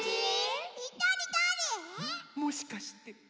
もしかして。